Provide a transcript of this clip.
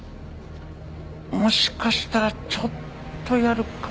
もしかしたらちょっとやるかも。